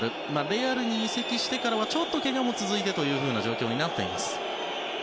レアルに移籍してからはちょっと、けがも続いてという状況になっています。